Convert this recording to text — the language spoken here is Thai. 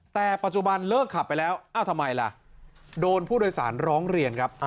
แต่ปัจจุบันเลิกขับไปแล้วเอ้าทำไมล่ะโดนผู้โดยสารร้องเรียนครับ